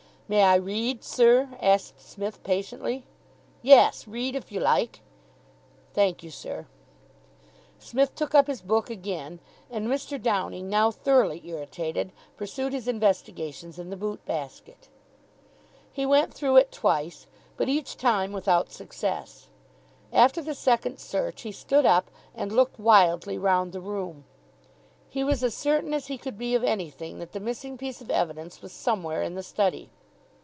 "May I read, sir?" asked Psmith, patiently. "Yes, read if you like." "Thank you, sir." Psmith took up his book again, and Mr. Downing, now thoroughly irritated, pursued his investigations in the boot basket. He went through it twice, but each time without success. After the second search, he stood up, and looked wildly round the room. He was as certain as he could be of anything that the missing piece of evidence was somewhere in the study.